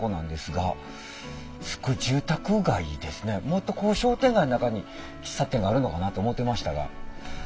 もっと商店街の中に喫茶店があるのかなと思ってましたが。